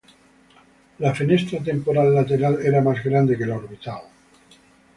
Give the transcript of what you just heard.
La fenestra temporal lateral era más grande que la orbital.